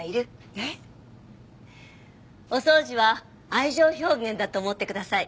えっ？お掃除は愛情表現だと思ってください。